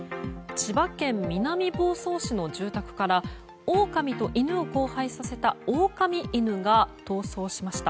千葉県南房総市の住宅からオオカミと犬を交配させたオオカミ犬が逃走しました。